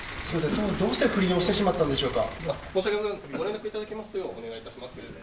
そもそもどうして不倫をしてしまったんでしょうか。